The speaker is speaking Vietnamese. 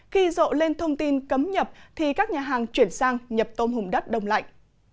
khi rộ lên thông tin cấm nhập thì các nhà hàng chuyển sang nhập tôm hùm đất đông lạnh